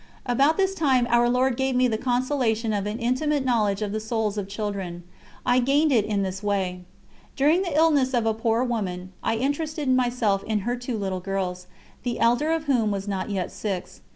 About this time Our Lord gave me the consolation of an intimate knowledge of the souls of children. I gained it in this way. During the illness of a poor woman, I interested myself in her two little girls, the elder of whom was not yet six.